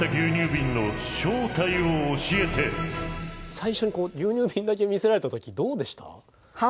最初にこう牛乳瓶だけ見せられた時どうでした？